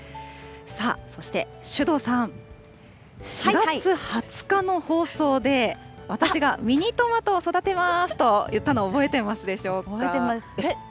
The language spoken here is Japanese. さあ、そして首藤さん、４月２０日の放送で、私がミニトマトを育てますと言ったのを覚えてますでしょうか。